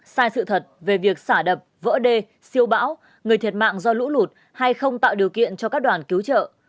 sai sự thật về việc xả đập vỡ đê siêu bão người thiệt mạng do lũ lụt hay không tạo điều kiện cho các đoàn cứu trợ